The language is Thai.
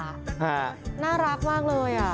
ครับน่ารักมากเลย